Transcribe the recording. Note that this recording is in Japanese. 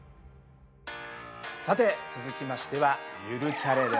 さて続きましては「ゆるチャレ」です。